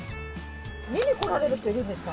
見に来られる人いるんですか？